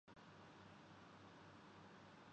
ایک منٹ رکو زرا